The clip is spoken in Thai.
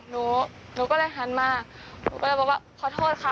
หนูหนูก็เลยหันมาหนูก็เลยบอกว่าขอโทษค่ะ